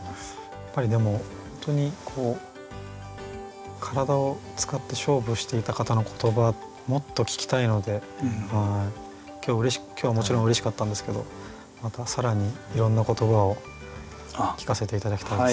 やっぱりでも本当に体を使って勝負していた方の言葉もっと聞きたいので今日はもちろんうれしかったんですけどまた更にいろんな言葉を聞かせて頂きたいです。